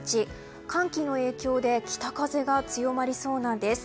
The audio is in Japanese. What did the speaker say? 寒気の影響で北風が強まりそうなんです。